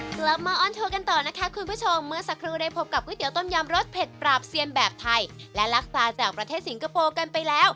มาออนทัวร์กันต่อนะคะคุณผู้ชมเมื่อสักครู่ได้พบกับก๋วยเตีต้มยำรสเผ็ดปราบเซียนแบบไทยและลักษาจากประเทศสิงคโปร์กันไปแล้ว